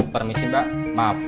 permisi mbak maaf